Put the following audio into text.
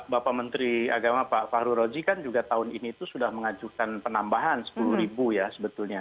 bapak menteri agama pak fahru roji kan juga tahun ini itu sudah mengajukan penambahan sepuluh ribu ya sebetulnya